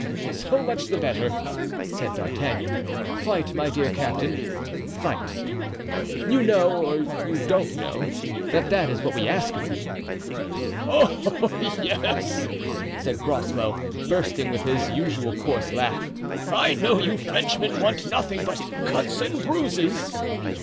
"So much the better," said D'Artagnan. "Fight, my dear captain, fight. You know or you don't know, that that is what we ask of you." "Oh! yes," said Groslow, bursting with his usual coarse laugh, "I know you Frenchmen want nothing but cuts and bruises."